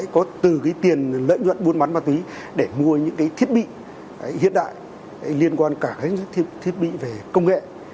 có từ tiền lợi nhuận buôn bán ma túy để mua những cái thiết bị hiện đại liên quan cả thiết bị về công nghệ